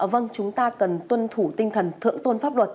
vâng chúng ta cần tuân thủ tinh thần thượng tôn pháp luật